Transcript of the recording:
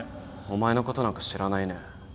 お前のことなんか知らないね。